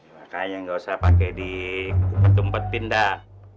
makanya nggak usah pakai di tempat pindah